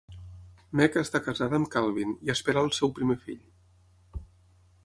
Meg està casada amb Calvin i espera el seu primer fill.